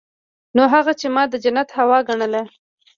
نو هغه چې ما د جنت هوا ګڼله.